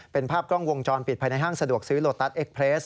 เป็นภาพกล้องวงจรปิดภายในห้างสะดวกซื้อโลตัสเอ็กเพลส